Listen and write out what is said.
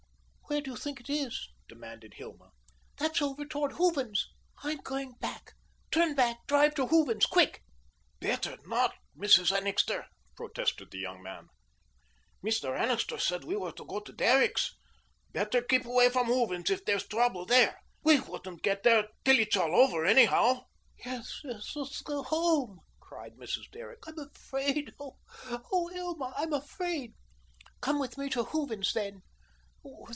"Where do you think it is?" demanded Hilma. "That's over toward Hooven's." "I'm going. Turn back. Drive to Hooven's, quick." "Better not, Mrs. Annixter," protested the young man. "Mr. Annixter said we were to go to Derrick's. Better keep away from Hooven's if there's trouble there. We wouldn't get there till it's all over, anyhow." "Yes, yes, let's go home," cried Mrs. Derrick, "I'm afraid. Oh, Hilma, I'm afraid." "Come with me to Hooven's then."